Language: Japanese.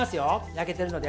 焼けてるので。